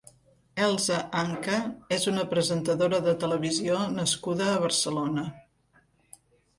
Elsa Anka és una presentadora de televisió nascuda a Barcelona.